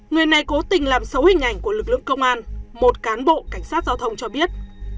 người này cố tình làm xấu hình ảnh của lực lượng công an một cán bộ cảnh sát giao thông cho biết